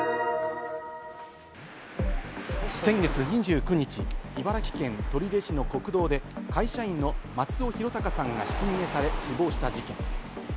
先月２９日、茨城県取手市の国道で会社員の松尾啓生さんがひき逃げされ、死亡した事件。